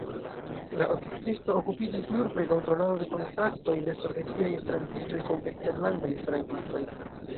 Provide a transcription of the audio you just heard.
La oficisto okupiĝis nur pri kontrolado de kontaktoj de sovetiaj esperantistoj kun eksterlandaj esperantistoj.